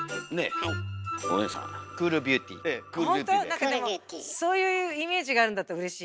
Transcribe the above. なんかでもそういうイメージがあるんだったらうれしい。